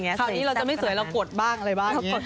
คราวนี้เราจะไม่สวยเรากดบ้างอะไรบ้าง